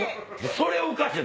それおかしい！